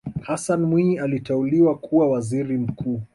hassan mwinyi aliteuliwa kuwa waziri mkuu